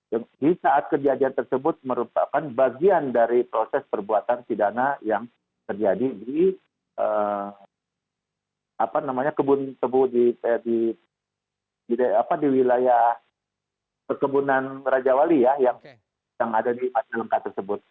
yang di saat kejadian tersebut merupakan bagian dari proses perbuatan pidana yang terjadi di kebun tebu di wilayah perkebunan raja wali ya yang ada di majalengka tersebut